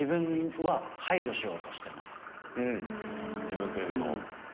自分というものを。